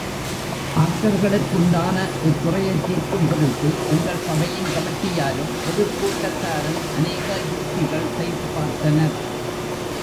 ஆக்டர்களுக்குண்டான இக்குறையைத் தீர்க்கும் பொருட்டு, எங்கள் சபையின் கமிட்டியாரும் பொதுக் கூட்டத்தாரும் அநேக யுக்திகள் செய்து பார்த்தனர்.